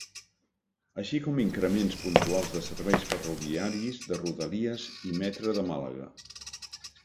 Així com increments puntuals de serveis ferroviaris de Rodalies i Metre de Màlaga.